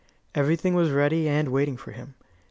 Everything was ready and waiting for him.